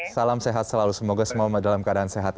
salam sehat selalu semoga semua dalam keadaan sehat